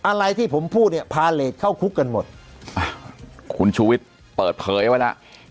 อะไรที่ผมพูดเนี่ยพาเลสเข้าคุกกันหมดคุณชูวิทย์เปิดเผยไว้แล้ว